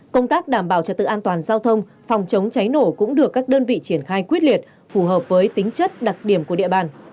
công tác đảm bảo trật tự an toàn giao thông phòng chống cháy nổ cũng được các đơn vị triển khai quyết liệt phù hợp với tính chất đặc điểm của địa bàn